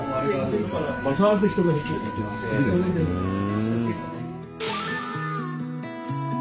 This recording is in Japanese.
うん。